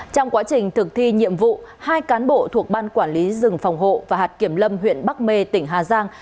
trong quá trình thực thi nhiệm vụ hai cán bộ thuộc ban quản lý rừng phòng hộ và hạt kiểm lâm huyện bắc mê tỉnh hà giang